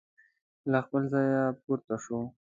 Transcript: له خپل ځایه پورته شو.